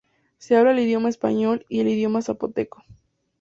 Se habla el idioma español y el idioma zapoteco.